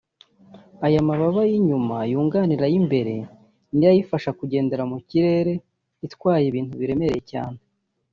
Aya mababa y'inyuma yunganira ay'imbere niyo ayifasha kugendera mu kirere itwaye ibintu biremereye cyane